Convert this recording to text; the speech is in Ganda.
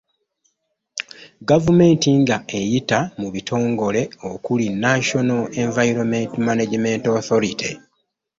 Gavumenti nga eyita mu bitongole okuli National Enviroment Management Authority.